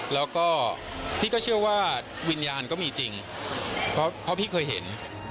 แล้วก็พี่ก็เชื่อว่าวิญญาณก็มีจริงเพราะพี่เคยเห็น